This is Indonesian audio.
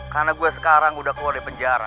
karena gue sekarang udah keluar dari penjara